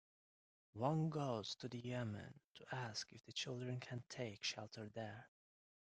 Wong goes to the yamen to ask if the children can take shelter there.